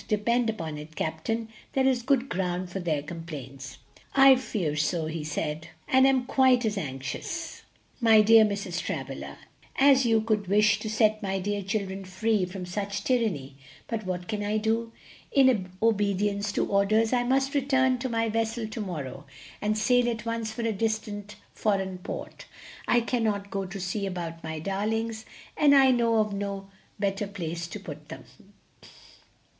Depend upon, it, captain, there is good ground for their complaints." "I fear so," he said, "and am quite as anxious, my dear Mrs. Travilla, as you could wish to set my dear children free from such tyranny; but what can I do? In obedience to orders, I must return to my vessel to morrow and sail at once for a distant foreign port. I cannot go to see about my darlings, and I know of no better place to put them.